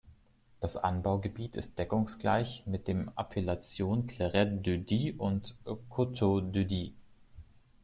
Das Anbaugebiet ist deckungsgleich mit den Appellationen Clairette de Die und Coteaux de Die.